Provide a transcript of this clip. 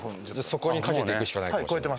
そこに賭けていくしかない。